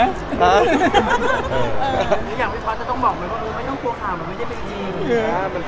อย่างพี่พอสต้องบอกว่าไม่ต้องกลัวข่าวมันก็ไม่ได้จริง